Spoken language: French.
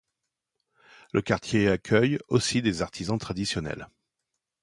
Le quartier accueille aussi des artisans traditionnels.